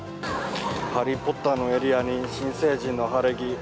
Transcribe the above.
ハリー・ポッターのエリアに、新成人の晴れ着。